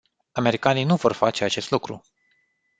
Americanii nu vor face acest lucru.